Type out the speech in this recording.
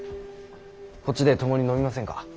こっちで共に飲みませんか。